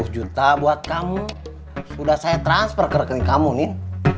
seratus juta buat kamu sudah saya transfer ke rekening kamu nih